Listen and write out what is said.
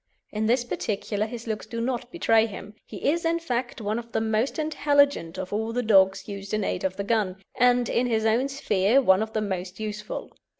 In this particular his looks do not bewray him; he is, in fact, one of the most intelligent of all the dogs used in aid of the gun, and in his own sphere one of the most useful.